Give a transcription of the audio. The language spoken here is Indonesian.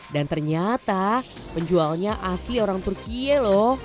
dan ternyata penjualnya asli orang turkiye lho